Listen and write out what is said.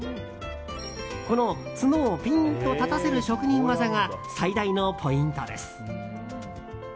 この角をピンッと立たせる職人技が最大のポイントです。